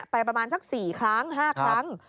ไปประมาณสัก๔๕ครั้ง